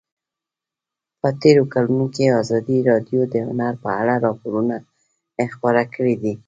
په تېرو کلونو کې ازادي راډیو د هنر په اړه راپورونه خپاره کړي دي.